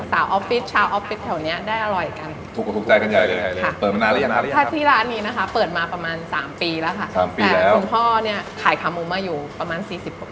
สาวออฟฟิศชาวออฟฟิศแถวนี้ได้อร่อยกัน